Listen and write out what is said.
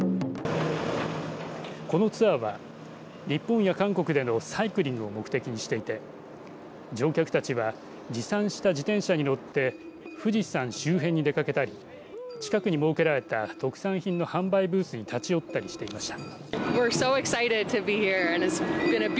このツアーは日本や韓国でのサイクリングを目的にしていて乗客たちは持参した自転車に乗って富士山周辺に出かけたり近くに設けられた特産品の販売ブースに立ち寄ったりしていました。